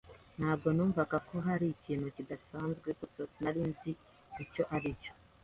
Nubwo numvaga ko hari ikintu kidasanzwe, gusa sinari nzi icyo aricyo.